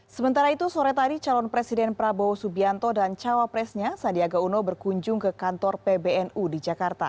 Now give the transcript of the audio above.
sementara itu sore tadi calon presiden prabowo subianto dan cawapresnya sandiaga uno berkunjung ke kantor pbnu di jakarta